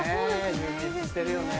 充実してるよね。